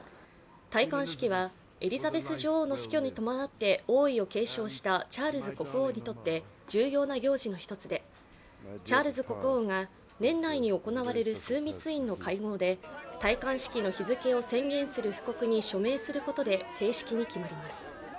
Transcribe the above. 戴冠式はエリザベス女王の死去に伴って王位を継承したチャールズ国王にとって重要な行事の一つで、チャールズ国王が年内に行われる枢密院の会合で戴冠式の日付を宣言する布告に署名することで正式に決まります。